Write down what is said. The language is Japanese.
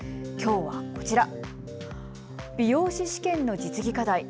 きょうは、こちら、美容師試験の実技課題